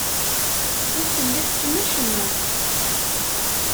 Ur telli tessen acemma.